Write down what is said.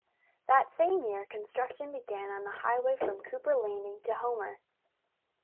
That same year, construction began on the highway from Cooper Landing to Homer.